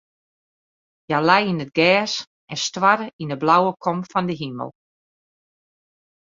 Hja lei yn it gers en stoarre yn de blauwe kom fan de himel.